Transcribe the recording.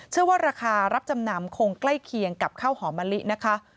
ว่าราคารับจำนำคงใกล้เคียงกับข้าวหอมมะลินะคะ